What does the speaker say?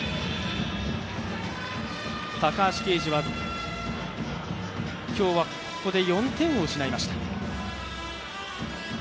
高橋奎二は今日はここで４点を失いました。